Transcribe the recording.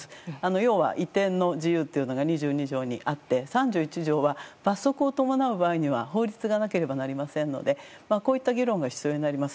要は移転の自由というのが２２条にあって３１条は、罰則を伴う場合には法律がなければならないのでこういった議論が必要になります。